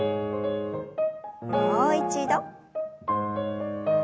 もう一度。